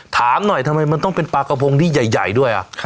ถามหน่อยทำไมมันต้องเป็นปลากระพงที่ใหญ่ด้วย